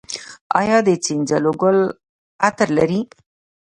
آیا د سنځلو ګل عطر لري؟